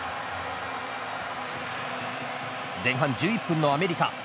前半１１分のアメリカ。